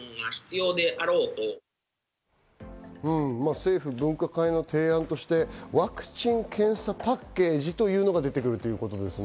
政府分科会の提案としてワクチン・検査パッケージというのが出てくるということですね。